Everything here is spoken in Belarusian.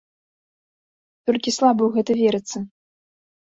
Толькі слаба ў гэта верыцца.